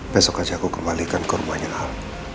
besok aja aku kembalikan ke rumahnya hal